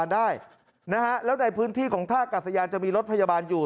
แล้วในพื้นที่ของท่ากัดสะยานจะมีรถพยาบาลอยู่